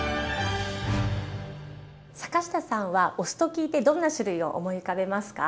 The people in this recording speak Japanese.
坂下さんはお酢と聞いてどんな種類を思い浮かべますか？